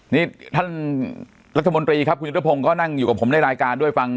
นี่ท่านรัฐมนตรีครับคุณยุทธพงศ์ก็นั่งอยู่กับผมในรายการด้วยฟัง